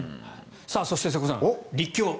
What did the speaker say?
そして、瀬古さん、立教。